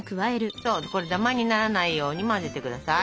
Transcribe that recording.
これダマにならないように混ぜてください。